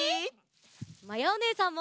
まやおねえさんも。